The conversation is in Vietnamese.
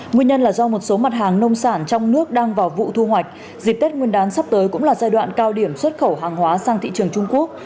nguyên nhân là do một số mặt hàng nông sản trong nước đang vào vụ thu hoạch dịp tết nguyên đán sắp tới cũng là giai đoạn cao điểm xuất khẩu hàng hóa sang thị trường trung quốc